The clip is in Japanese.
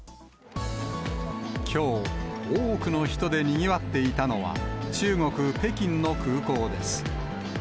きょう、多くの人でにぎわっていたのは、中国・北京の空港です。